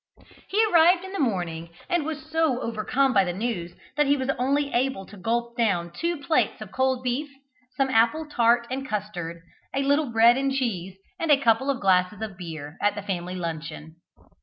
He arrived in the morning, and was so overcome by the news that he was only able to gulp down two plates full of cold beef, some apple tart and custard, a little bread and cheese, and a couple of glasses of beer, at the family luncheon.